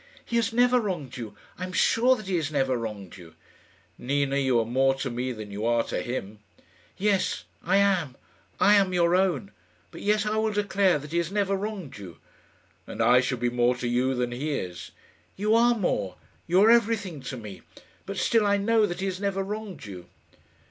"He has never wronged you; I am sure that he has never wronged you." "Nina, you are more to me than you are to him." "Yes. I am I am your own; but yet I will declare that he has never wronged you." "And I should be more to you than he is." "You are more you are everything to me; but, still, I know that he has never wronged you."